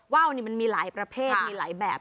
ว่าวนี่มันมีหลายประเภทมีหลายแบบ